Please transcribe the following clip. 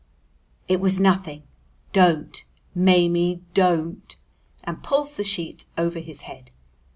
"It was nothing don't, Maimie, don't!" and pulls the sheet over his head.